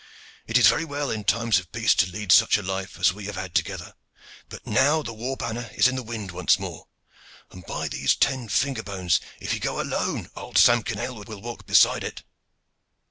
It is very well in time of peace to lead such a life as we have had together, but now the war banner is in the wind once more, and, by these ten finger bones! if he go alone, old Samkin Aylward will walk beside it."